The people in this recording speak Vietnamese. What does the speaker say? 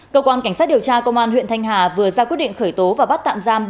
cơ quan cảnh sát điều tra công an huyện thanh hà vừa ra quyết định khởi tố và bắt tạm giam